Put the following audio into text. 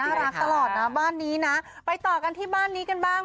น่ารักตลอดนะบ้านนี้นะไปต่อกันที่บ้านนี้กันบ้าง